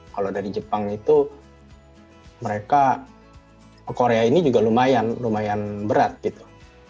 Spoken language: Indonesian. kalau dari jepang itu mereka korea ini juga lumayan lumayan berat gitu